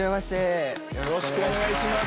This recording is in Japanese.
よろしくお願いします。